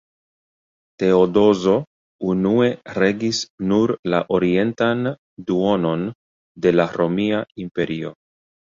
Teodozo unue regis nur la orientan duonon de la romia imperio.